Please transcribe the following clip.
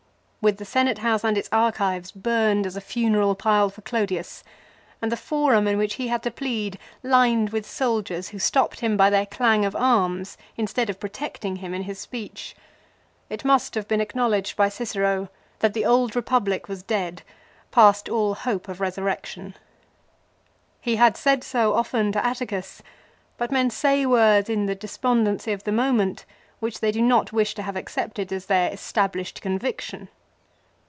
With the Senate house and its archives burned as a funeral pile for Clodius, and the forum in which he had to plead lined with soldiers who stopped him by their clang of arms instead of protecting him in his speech, it must have been acknowledged by Cicero that the old Eepublic was dead, past all hope of resurrection. He had said so often to Atticus ; but men say words in the despondency of the moment, which they do not wish to have accepted as their established conviction.